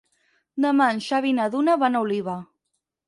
Demà en Xavi i na Duna van a Oliva.